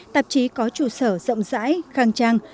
tạp chí có trụ sở rộng rãi khang trang